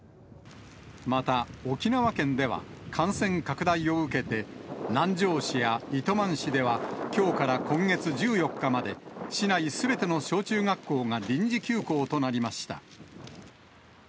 また沖縄県では、感染拡大を受けて、南城市や糸満市では、きょうから今月１４日まで、市内すべての小中学校が臨時休校となりました。